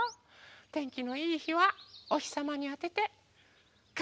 てんきのいいひはおひさまにあててかぜとおさないとね。